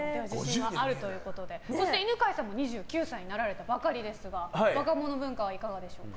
そして犬飼さんも２９歳になられたばかりですが若者文化はいかがでしょうか。